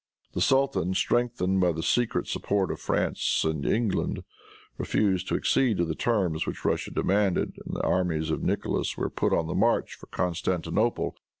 The sultan, strengthened by the secret support of France and England, refused to accede to the terms which Russia demanded, and the armies of Nicholas were put on the march for Constantinople.